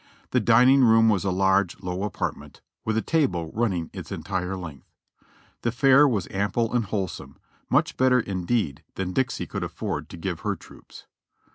The dining room was a large, low apartment, witli a table running its entire length. The fare was ample and wholesome, much better indeed than Dixie could aflford to give her troops.